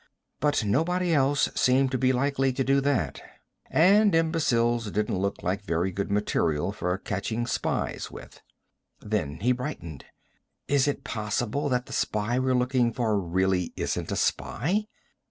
But nobody else seemed to be likely to do that. And imbeciles didn't look like very good material for catching spies with. Then he brightened. "Is it possible that the spy we're looking for really isn't a spy?"